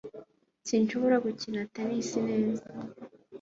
sinshobora gukina tennis neza. (donkirkby